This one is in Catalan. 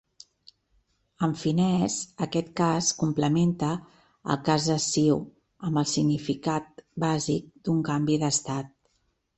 En finès aquest cas complementa el cas essiu, amb el significat bàsic d'un canvi d'estat.